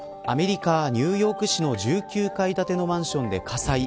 アメリカ、ニューヨーク市の１９階建てのマンションで火災。